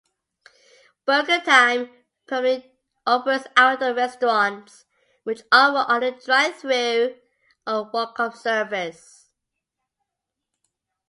Burger Time primarily operates outdoor restaurants which offer only drive-through or walk up service.